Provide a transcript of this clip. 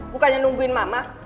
bukannya nungguin mama